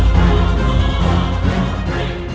kita harus menemukan nimas